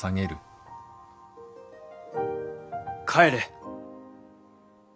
帰れ。